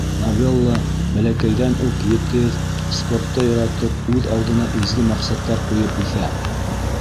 НовеллаБәләкәйҙән үк етеҙ, спортты яратып, үҙ алдына изге маҡсаттар ҡуйып үҫә.